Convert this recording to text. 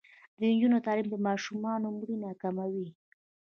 د نجونو تعلیم د ماشومانو مړینه کموي.